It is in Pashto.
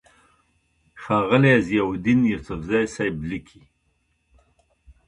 ښاغلے ضياءالدين يوسفزۍ صېب ليکي: